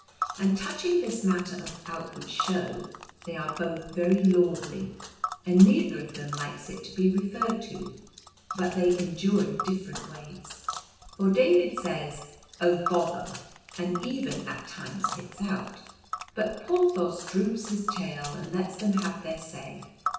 And touching this matter of outward show, they are both very lordly, and neither of them likes it to be referred to, but they endure in different ways. For David says 'Oh, bother!' and even at times hits out, but Porthos droops his tail and lets them have their say.